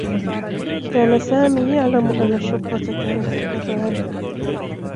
كان سامي يعلم أنّ الشّرطة كانت تبحث عنه.